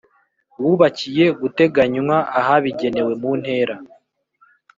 Wubakiye guteganywa ahabigenewe mu ntera